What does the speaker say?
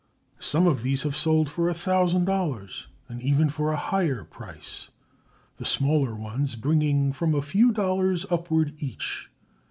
Some of these have sold for $1000 and even for a higher price, the smaller ones bringing from a few dollars upward each.